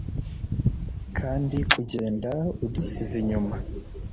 kandi, kugenda, udusize inyuma